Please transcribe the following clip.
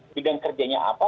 bidang kerjanya apa